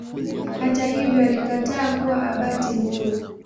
Hata hivyo alikataa kuwa Abati mkuu.